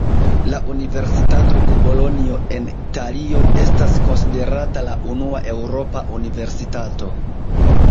La Universitato de Bolonjo en Italio estas konsiderata la unua eŭropa universitato.